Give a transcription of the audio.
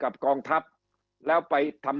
คำอภิปรายของสอสอพักเก้าไกลคนหนึ่ง